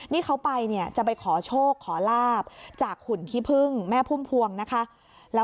นี่เขาไปเนี่ยจะไปขอโชคขอลาบจากหุ่นขี้พึ่งแม่พุ่มพวงนะคะ